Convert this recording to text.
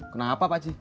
kenapa pak aci